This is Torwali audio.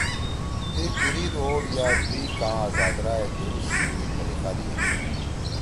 تی بِرِید ووٹ یا دُوئی کاں آزاد رائے دیؤ سی طریقہ دے یِنِین۔